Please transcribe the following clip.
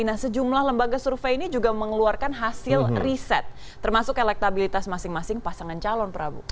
nah sejumlah lembaga survei ini juga mengeluarkan hasil riset termasuk elektabilitas masing masing pasangan calon prabu